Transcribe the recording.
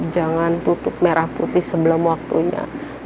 jangan tutup merah putih sebelum waktunya